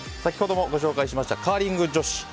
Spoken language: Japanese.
先ほどもご紹介しましたカーリング女子。